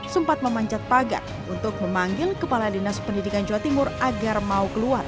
sempat memanjat pagar untuk memanggil kepala dinas pendidikan jawa timur agar mau keluar